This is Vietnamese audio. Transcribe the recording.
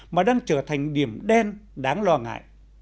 mà đang trở thành điểm đen đáng lo ngại